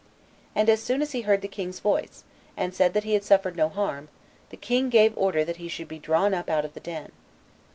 And as soon as he heard the king's voice, and said that he had suffered no harm, the king gave order that he should be drawn up out of the den.